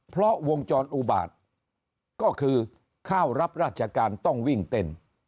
เพราะวงจรอุบาตก็คือเข้ารับราชการต้องวิ่งเต้น